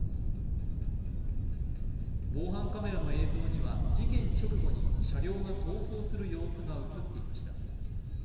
防犯カメラの映像には事件直後に車両が逃走する様子が映っていました。